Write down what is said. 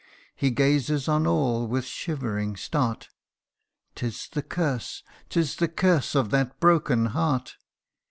He gazes on all with shivering start " 'Tis the curse 'tis the curse of that broken heart